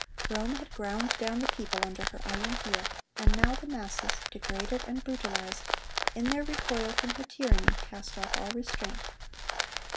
Rome had ground down the people under her iron heel; and now the masses, degraded and brutalized, in their recoil from her tyranny, cast off all restraint.